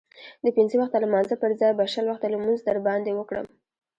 د پنځه وخته لمانځه پرځای به شل وخته لمونځ در باندې وکړم.